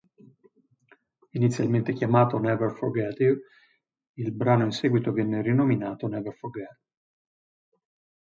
Inizialmente chiamato "Never Forget You", il brano in seguito viene rinominato "Never Forget".